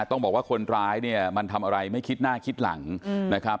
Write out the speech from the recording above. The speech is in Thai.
ต้องบอกว่าคนร้ายเนี่ยมันทำอะไรไม่คิดหน้าคิดหลังนะครับ